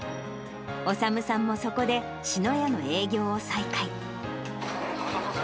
修さんもそこで志のやの営業を再開。